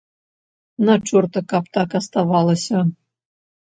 На чорта каб так аставалася.